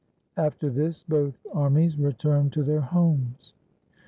After this, both armies returned to their homes.